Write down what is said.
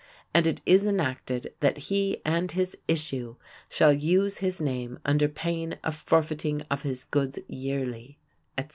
and it is enacted that he and his issue shall use his name under pain of forfeyting of his goods yearly", etc.